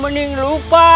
mending lupa aden